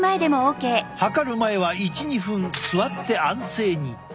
測る前は１２分座って安静に。